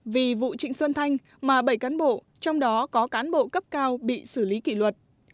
vì vụ trịnh xuân thanh mà bảy cán bộ trong đó có cán bộ cấp cao bị xử lý kỷ luật